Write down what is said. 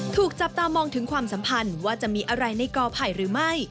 ถูกจับตามองถึงความสัมพันธ์ว่าจะมีอะไรในกอไผ่หรือไม่